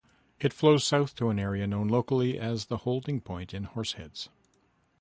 It flows south to an area known locally as the Holding Point in Horseheads.